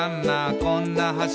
こんな橋」